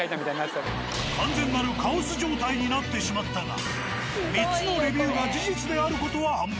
完全なるカオス状態になってしまったが３つのレビューが事実である事は判明。